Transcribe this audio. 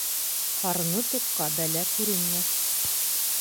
Ҡарыны туҡҡа бәлә күренмәҫ.